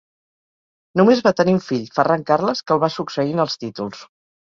Només va tenir un fill, Ferran Carles, que el va succeir en els títols.